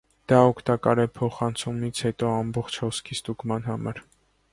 Դա օգտակար է փոխանցումից հետո ամբողջ հոսքի ստուգման համար։